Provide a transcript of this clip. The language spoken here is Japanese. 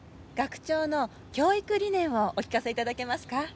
学長の教育理念をお聞かせいただけますか？